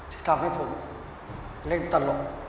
ที่ทำให้ผมเล่นตลก